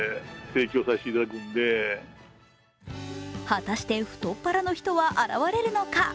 果たして太っ腹の人は現れるのか。